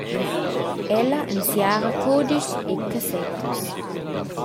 Ella ensiara cudischs e cassettas.